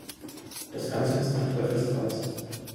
Das Ganze ist ein Teufelskreis.